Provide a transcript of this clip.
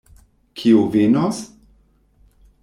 Kio venos?